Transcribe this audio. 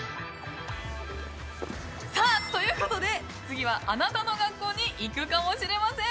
さあということで次はあなたの学校に行くかもしれません。